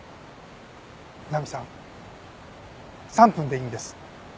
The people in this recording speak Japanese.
菜美さん３分でいいんです。